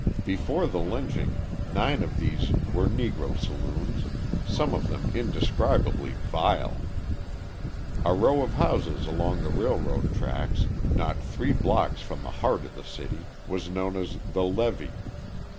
Before the lynching, nine of these were Negro saloons some of them indescribably vile. A row of houses along the railroad tracks, not three blocks from the heart of the city, was known as the Levee.